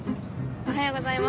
おはようございます。